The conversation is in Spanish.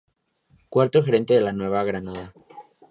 Cuarto regente de la Nueva Granada.